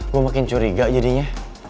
gue makin curiga jadinya